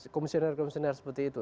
komisioner komisioner seperti itu